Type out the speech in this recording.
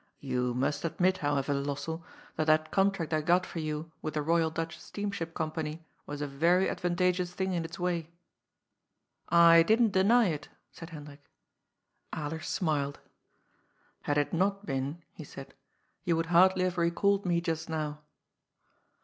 " You must admit, how ever, Lossell, that that contract I got for you with the 16 242 GOD'S FOOL. Boyal Dutch Steamship Company was a very advantageoos thing in its way.*' « I didn't deny it," said Hendrik. Alera smiled, " Had it not been," he said, you would hardly have recalled me just now."